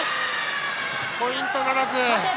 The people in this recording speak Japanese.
ただ、ポイントはならず。